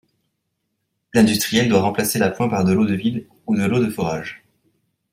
L'industriel doit remplacer l'appoint par de l'eau de ville ou de eau de forage.